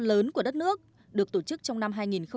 lớn của đất nước được tổ chức trong năm hai nghìn một mươi chín